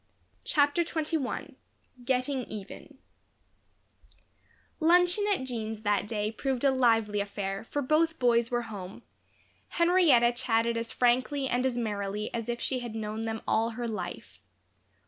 CHAPTER XXI Getting Even LUNCHEON at Jean's that day proved a lively affair, for both boys were home; Henrietta chatted as frankly and as merrily as if she had known them all her life.